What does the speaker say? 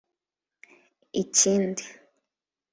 Ikindi